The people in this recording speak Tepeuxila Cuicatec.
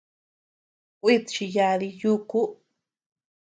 Kuid chiyadi yúku.